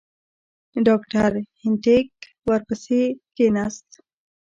ډاکټر هینټیګ ورپسې کښېنست.